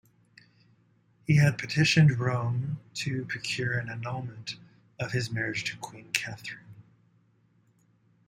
He had petitioned Rome to procure an annulment of his marriage to Queen Catherine.